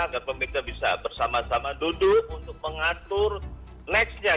agar pemerintah bisa bersama sama duduk untuk mengatur nextnya